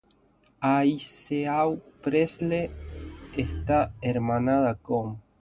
Aiseau-Presles está hermanada con